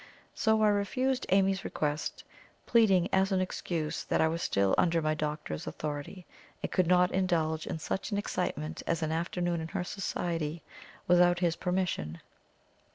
So I refused Amy's request, pleading as an excuse that I was still under my doctor's authority, and could not indulge in such an excitement as an afternoon in her society without his permission.